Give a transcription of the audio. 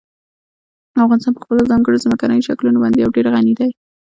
افغانستان په خپلو ځانګړو ځمکنیو شکلونو باندې یو ډېر غني دی.